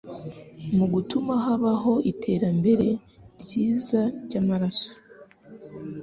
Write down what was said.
mu gutuma habaho itembera ryiza ry'amaraso